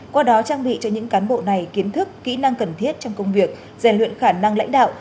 qua đó trang bị cho những cán bộ này kiến thức kỹ năng cần thiết trong công việc rèn luyện khả năng lãnh đạo